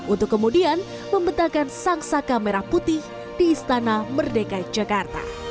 untuk kemudian membetakan sangsaka merah putih di istana merdeka jakarta